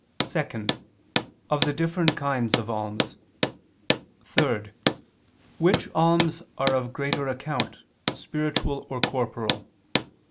(2) Of the different kinds of alms; (3) Which alms are of greater account, spiritual or corporal?